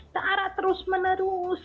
secara terus menerus